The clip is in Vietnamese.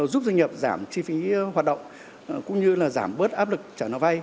giúp doanh nghiệp giảm chi phí hoạt động cũng như là giảm bớt áp lực trả nợ vay